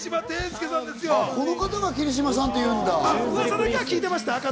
この方が霧島さんっていうんだ。